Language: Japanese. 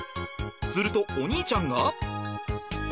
するとお兄ちゃんが。